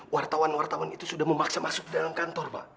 wartawan wartawan itu sudah memaksa masuk dalam kantor pak